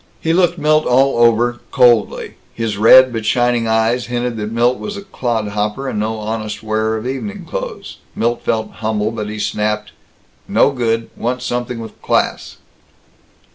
He looked Milt all over, coldly. His red but shining eyes hinted that Milt was a clodhopper and no honest wearer of evening clothes. Milt felt humble, but he snapped, "No good. Want something with class."